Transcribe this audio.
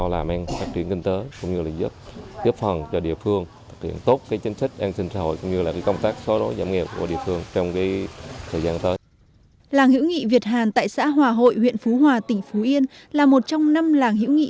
làng hữu nghị việt hàn tại xã hòa hội huyện phú hòa tỉnh phú yên là một trong năm làng hữu nghị